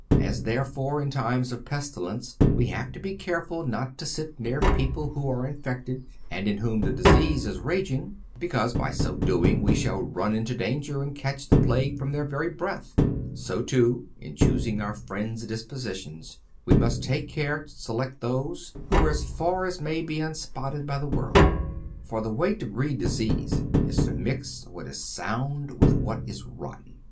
As, therefore, in times of pestilence we have to be careful not to sit near people who are infected and in whom the disease is raging, because by so doing, we shall run into danger and catch the plague from their very breath ; so, too, in choosing our friends' dispositions, we must take care to select those who are as far as may be unspotted by the world; for the way to breed disease is to mix what is sound with what is rotten.